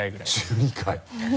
１２回